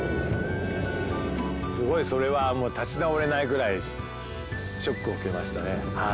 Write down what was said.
すごいそれはもう立ち直れないぐらいショックを受けましたね。